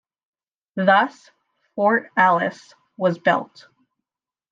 Thus Fort Alice was built.